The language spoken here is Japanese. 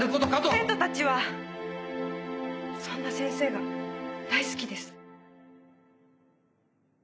生徒たちはそんな先生が大好きです。